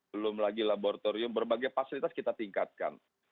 belum lagi laboratorium berbagai fasilitas kita tingkatkan